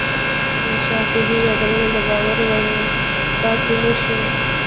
شفاهي یادونه د باور وړ پاتې نه شوه.